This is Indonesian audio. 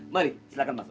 mari silahkan masuk